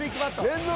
連続。